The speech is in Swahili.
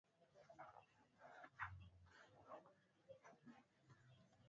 alihusika kwenye vita ya kwanza vya ulimwengu